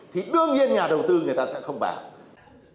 thì đương nhiên nhà đầu tư người ta sẽ không bảo